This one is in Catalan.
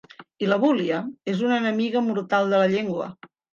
I l'abúlia és una enemiga mortal de la llengua.